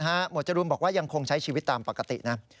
หวดจรูนบอกว่ายังคงใช้ชีวิตตามปกตินะ